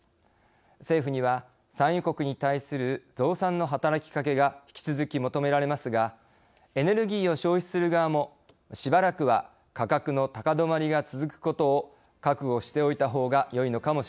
政府には産油国に対する増産の働きかけが引き続き求められますがエネルギーを消費する側もしばらくは価格の高止まりが続くことを覚悟しておいたほうがよいのかもしれません。